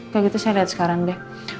kayak gitu saya lihat sekarang deh